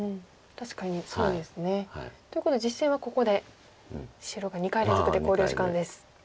確かにそうですね。ということで実戦はここで白が２回連続で考慮時間です。